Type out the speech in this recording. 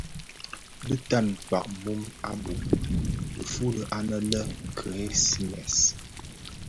Dhi tan kpag mum a bum. Nfuli anë lè Grémisse,